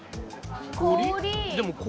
氷？